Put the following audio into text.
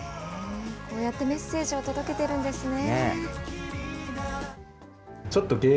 こうやってメッセージを届けてるんですね。